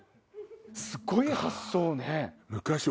すごい発想ね。